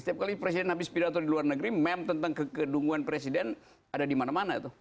setiap kali presiden habis pidato di luar negeri meme tentang kekedunguan presiden ada di mana mana tuh